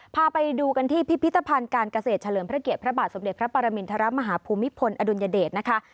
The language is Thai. พาไปดูกันที่พิพิธภัณฑ์การเกษตรเฉลิมพระเกียรติพระบาทสมเด็จพระปรมินทรมาฮภูมิพลอดุลยเดชนะคะ